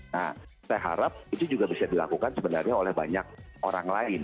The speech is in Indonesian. nah saya harap itu juga bisa dilakukan sebenarnya oleh banyak orang lain